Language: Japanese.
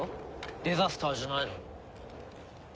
デザスターじゃないのに。